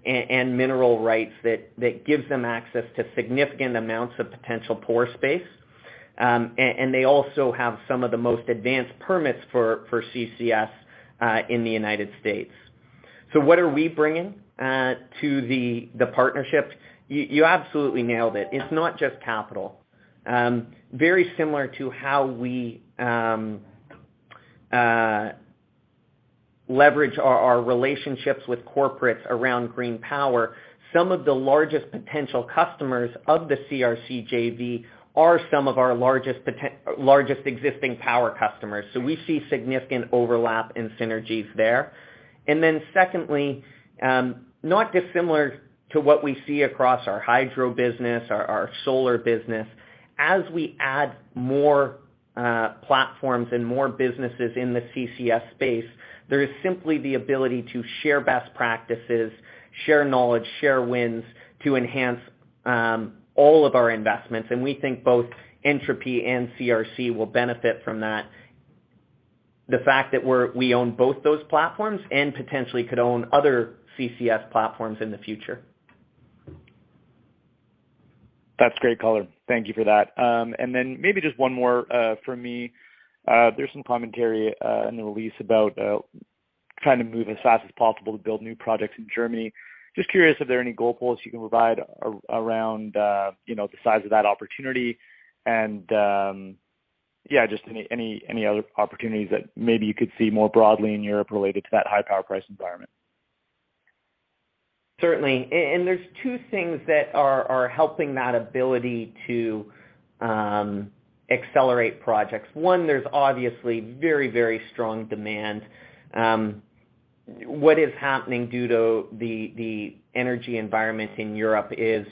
and mineral rights that gives them access to significant amounts of potential pore space. They also have some of the most advanced permits for CCS in the United States. What are we bringing to the partnership? You absolutely nailed it. It's not just capital. Very similar to how we leverage our relationships with corporates around green power. Some of the largest potential customers of the CRC JV are some of our largest existing power customers. We see significant overlap and synergies there. Then secondly, not dissimilar to what we see across our hydro business, our solar business, as we add more platforms and more businesses in the CCS space, there is simply the ability to share best practices, share knowledge, share wins to enhance all of our investments. We think both Entropy and CRC will benefit from that. The fact that we own both those platforms and potentially could own other CCS platforms in the future. That's great color. Thank you for that. Then maybe just one more from me. There's some commentary in the release about trying to move as fast as possible to build new projects in Germany. Just curious if there are any goalposts you can provide around you know the size of that opportunity. Yeah, just any other opportunities that maybe you could see more broadly in Europe related to that high power price environment. Certainly. There's two things that are helping that ability to accelerate projects. One, there's obviously very, very strong demand. What is happening due to the energy environment in Europe is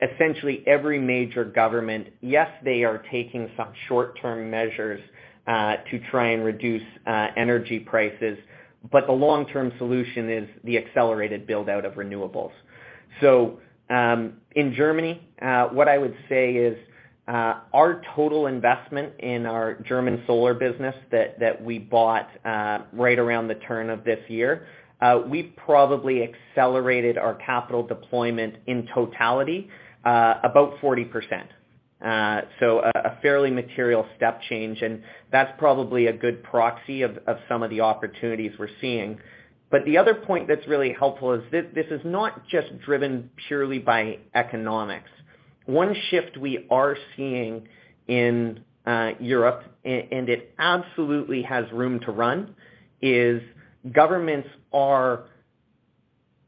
essentially every major government. Yes, they are taking some short-term measures to try and reduce energy prices, but the long-term solution is the accelerated build-out of renewables. In Germany, what I would say is our total investment in our German solar business that we bought right around the turn of this year, we probably accelerated our capital deployment in totality about 40%. A fairly material step change, and that's probably a good proxy of some of the opportunities we're seeing. The other point that's really helpful is this is not just driven purely by economics. One shift we are seeing in Europe, and it absolutely has room to run, is governments are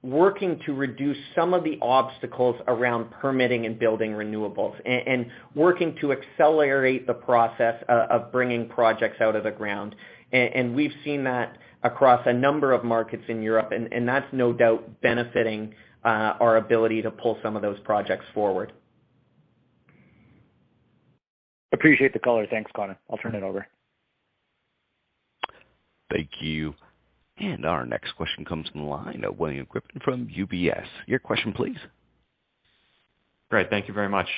working to reduce some of the obstacles around permitting and building renewables and working to accelerate the process of bringing projects out of the ground. We've seen that across a number of markets in Europe, and that's no doubt benefiting our ability to pull some of those projects forward. Appreciate the color. Thanks, Connor. I'll turn it over. Thank you. Our next question comes from the line of William Grippin from UBS. Your question please. Great. Thank you very much.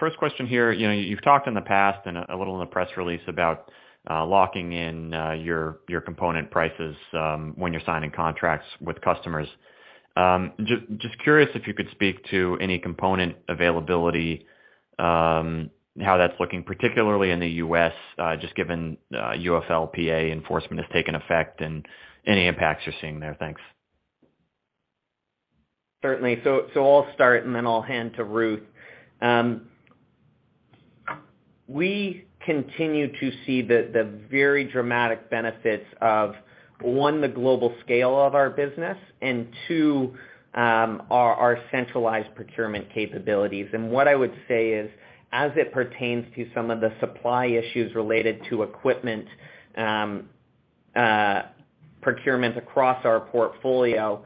First question here. You know, you've talked in the past and a little in the press release about locking in your component prices when you're signing contracts with customers. Just curious if you could speak to any component availability, how that's looking, particularly in the U.S., just given UFLPA enforcement has taken effect and any impacts you're seeing there? Thanks. Certainly. I'll start and then I'll hand to Ruth. We continue to see the very dramatic benefits of, one, the global scale of our business, and two, our centralized procurement capabilities. What I would say is, as it pertains to some of the supply issues related to equipment procurement across our portfolio,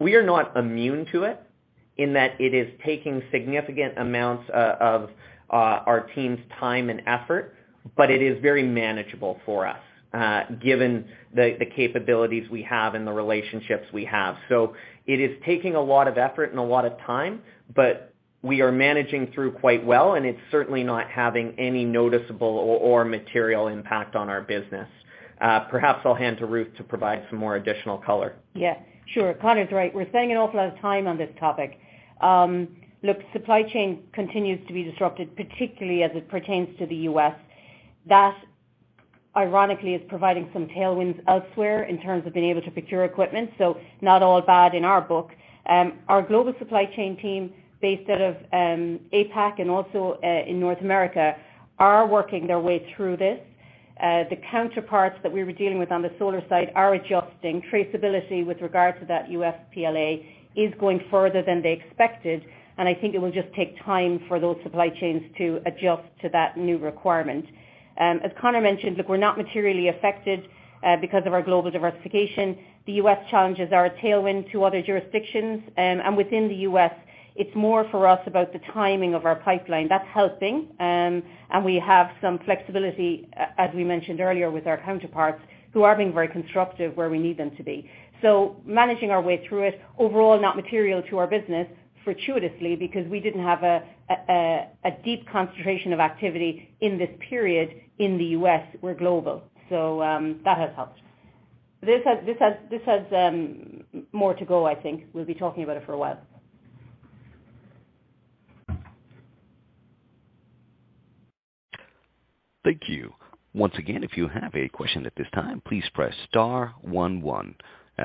we are not immune to it in that it is taking significant amounts of our team's time and effort, but it is very manageable for us, given the capabilities we have and the relationships we have. It is taking a lot of effort and a lot of time, but we are managing through quite well, and it's certainly not having any noticeable or material impact on our business. Perhaps I'll hand to Ruth to provide some more additional color. Yeah, sure. Connor's right. We're spending an awful lot of time on this topic. Look, supply chain continues to be disrupted, particularly as it pertains to the U.S. That ironically is providing some tailwinds elsewhere in terms of being able to procure equipment, so not all bad in our book. Our global supply chain team based out of APAC and also in North America are working their way through this. The counterparts that we were dealing with on the solar side are adjusting traceability with regard to that U.S. UFLPA is going further than they expected, and I think it will just take time for those supply chains to adjust to that new requirement. As Connor mentioned, we're not materially affected because of our global diversification. The U.S. challenges are a tailwind to other jurisdictions. Within the U.S., it's more for us about the timing of our pipeline. That's helping. We have some flexibility, as we mentioned earlier, with our counterparts who are being very constructive where we need them to be. Managing our way through it, overall, not material to our business, fortuitously because we didn't have a deep concentration of activity in this period in the U.S. We're global. That has helped. This has more to go, I think. We'll be talking about it for a while. Thank you. Once again, if you have a question at this time, please press star one one.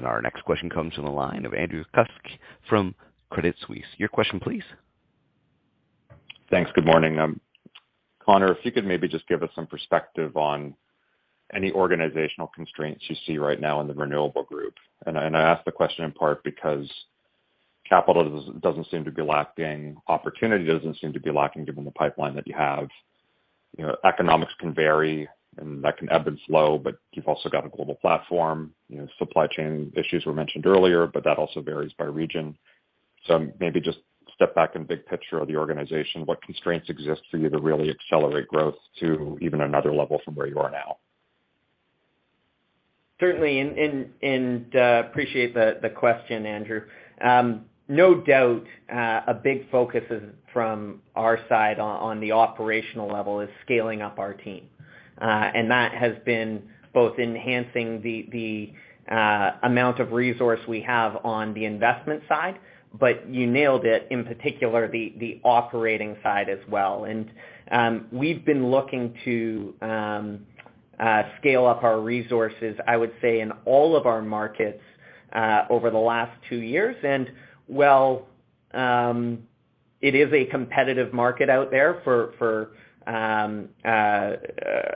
Our next question comes from the line of Andrew Kuske from Credit Suisse. Your question please. Thanks. Good morning. Connor, if you could maybe just give us some perspective on any organizational constraints you see right now in the renewable group. I ask the question in part because capital doesn't seem to be lacking, opportunity doesn't seem to be lacking given the pipeline that you have. You know, economics can vary, and that can ebb and slow, but you've also got a global platform. You know, supply chain issues were mentioned earlier, but that also varies by region. Maybe just step back in big picture of the organization, what constraints exist for you to really accelerate growth to even another level from where you are now? Certainly, appreciate the question, Andrew. No doubt, a big focus from our side on the operational level is scaling up our team. That has been both enhancing the amount of resource we have on the investment side, but you nailed it, in particular, the operating side as well. We've been looking to scale up our resources, I would say, in all of our markets over the last two years. While it is a competitive market out there for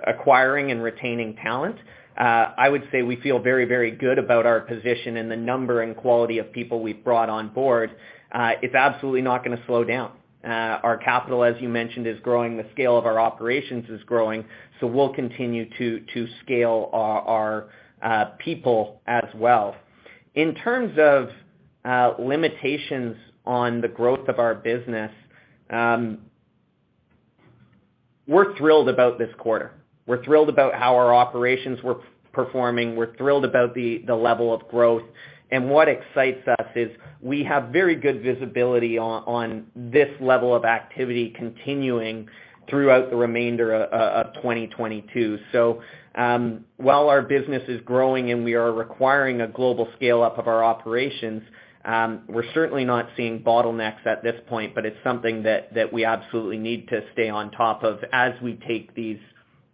acquiring and retaining talent, I would say we feel very good about our position and the number and quality of people we've brought on board. It's absolutely not gonna slow down. Our capital, as you mentioned, is growing. The scale of our operations is growing, so we'll continue to scale our people as well. In terms of limitations on the growth of our business, we're thrilled about this quarter. We're thrilled about how our operations were performing. We're thrilled about the level of growth. What excites us is we have very good visibility on this level of activity continuing throughout the remainder of 2022. While our business is growing and we are requiring a global scale up of our operations, we're certainly not seeing bottlenecks at this point, but it's something that we absolutely need to stay on top of as we take these,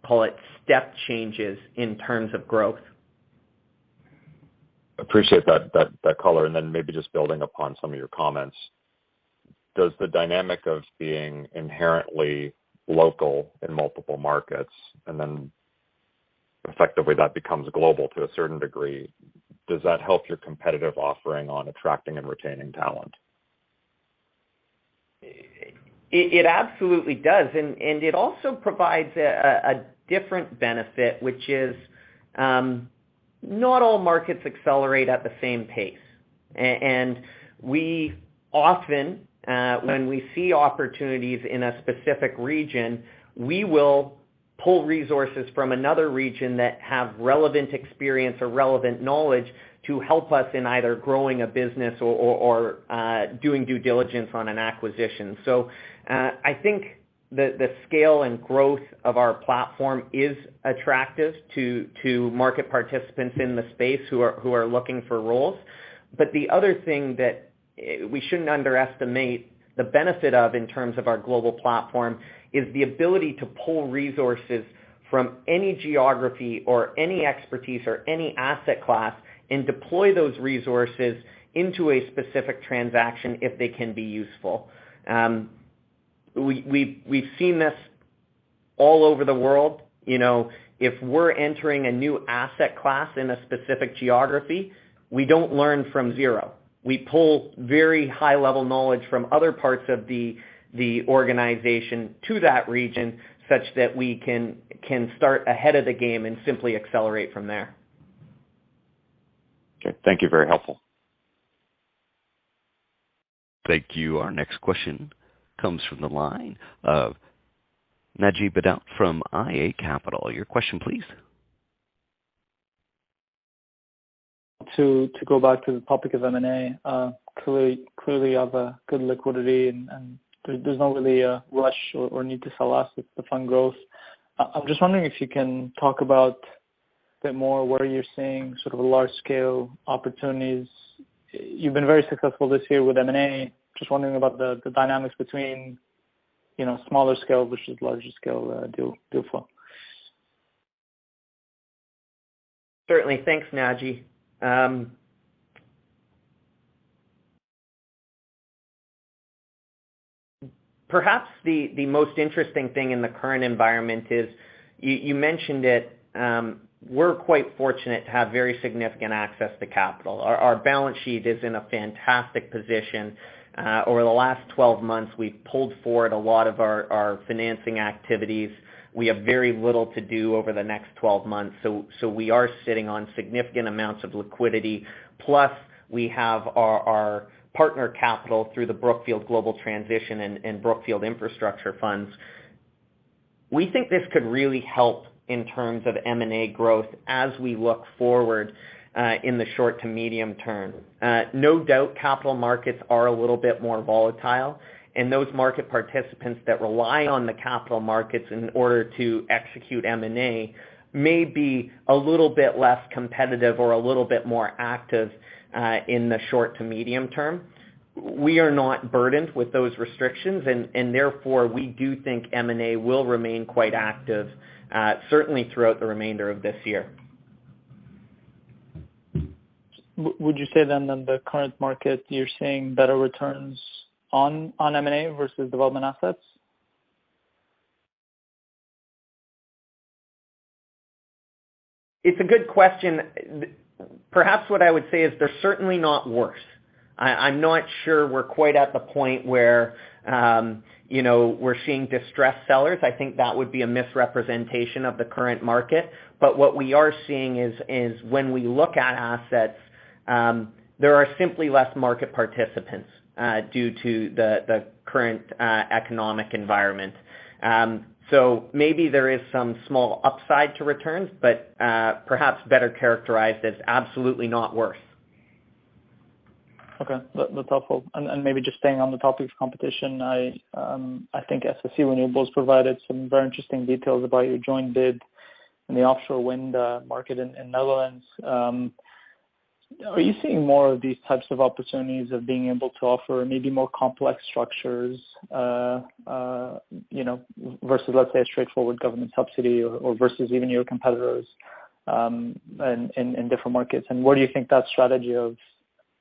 call it, step changes in terms of growth. Appreciate that color, and then maybe just building upon some of your comments. Does the dynamic of being inherently local in multiple markets, and then effectively that becomes global to a certain degree, does that help your competitive offering on attracting and retaining talent? It absolutely does, and it also provides a different benefit, which is not all markets accelerate at the same pace. We often when we see opportunities in a specific region, we will pull resources from another region that have relevant experience or relevant knowledge to help us in either growing a business or doing due diligence on an acquisition. I think the scale and growth of our platform is attractive to market participants in the space who are looking for roles. The other thing that we shouldn't underestimate the benefit of in terms of our global platform is the ability to pull resources from any geography or any expertise or any asset class and deploy those resources into a specific transaction if they can be useful. We've seen this all over the world. You know, if we're entering a new asset class in a specific geography, we don't learn from zero. We pull very high-level knowledge from other parts of the organization to that region such that we can start ahead of the game and simply accelerate from there. Okay. Thank you. Very helpful. Thank you. Our next question comes from the line of Naji Baydoun from iA Capital. Your question please. To go back to the topic of M&A, clearly you have a good liquidity and there's not really a rush or need to sell assets with the fund growth. I'm just wondering if you can talk about a bit more what are you seeing sort of large-scale opportunities. You've been very successful this year with M&A. Just wondering about the dynamics between, you know, smaller scale versus larger scale, deal flows? Certainly. Thanks, Naji. Perhaps the most interesting thing in the current environment is you mentioned it, we're quite fortunate to have very significant access to capital. Our balance sheet is in a fantastic position. Over the last 12 months, we've pulled forward a lot of our financing activities. We have very little to do over the next 12 months. So we are sitting on significant amounts of liquidity. Plus, we have our partner capital through the Brookfield Global Transition and Brookfield Infrastructure funds. We think this could really help in terms of M&A growth as we look forward in the short to medium term. No doubt, capital markets are a little bit more volatile, and those market participants that rely on the capital markets in order to execute M&A may be a little bit less competitive or a little bit more active, in the short to medium term. We are not burdened with those restrictions and therefore, we do think M&A will remain quite active, certainly throughout the remainder of this year. Would you say in the current market you're seeing better returns on M&A versus development assets? It's a good question. Perhaps what I would say is they're certainly not worse. I'm not sure we're quite at the point where, you know, we're seeing distressed sellers. I think that would be a misrepresentation of the current market. What we are seeing is when we look at assets, there are simply less market participants due to the current economic environment. Maybe there is some small upside to returns, but perhaps better characterized as absolutely not worse. Okay. That's helpful. Maybe just staying on the topic of competition. I think SSE Renewables provided some very interesting details about your joint bid in the offshore wind market in Netherlands. Are you seeing more of these types of opportunities of being able to offer maybe more complex structures, you know, versus, let's say, a straightforward government subsidy or versus even your competitors in different markets? Where do you think that strategy of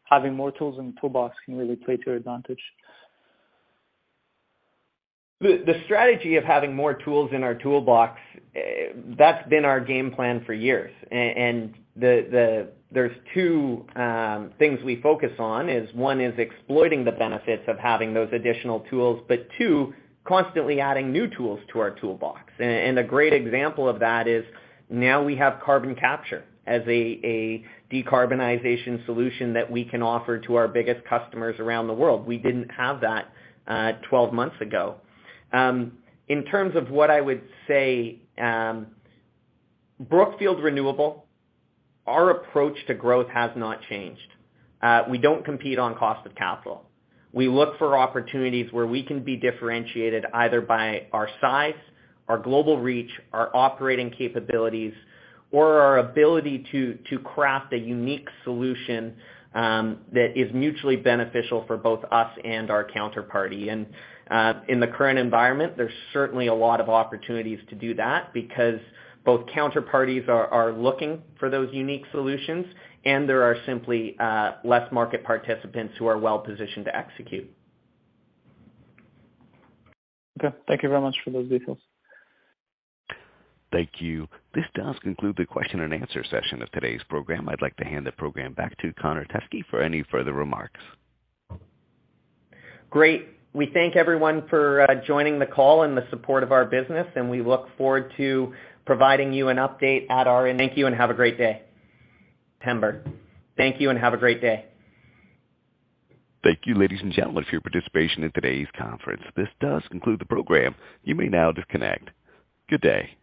having more tools in the toolbox can really play to your advantage? The strategy of having more tools in our toolbox, that's been our game plan for years. There's two things we focus on, one is exploiting the benefits of having those additional tools, but two, constantly adding new tools to our toolbox. A great example of that is now we have carbon capture as a decarbonization solution that we can offer to our biggest customers around the world. We didn't have that 12 months ago. In terms of what I would say, Brookfield Renewable, our approach to growth has not changed. We don't compete on cost of capital. We look for opportunities where we can be differentiated either by our size, our global reach, our operating capabilities, or our ability to craft a unique solution that is mutually beneficial for both us and our counterparty. In the current environment, there's certainly a lot of opportunities to do that because both counterparties are looking for those unique solutions, and there are simply less market participants who are well-positioned to execute. Okay. Thank you very much for those details. Thank you. This does conclude the question-and-answer session of today's program. I'd like to hand the program back to Connor Teskey for any further remarks. Great. We thank everyone for joining the call and the support of our business, and we look forward to providing you an update at our September. Thank you and have a great day. Thank you and have a great day. Thank you, ladies and gentlemen, for your participation in today's conference. This does conclude the program. You may now disconnect. Good day.